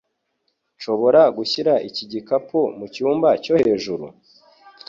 Nshobora gushyira iki gikapu mucyumba cyo hejuru?